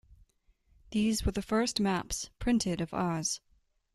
These were the first maps printed of Oz.